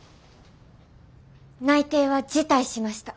内定は辞退しました。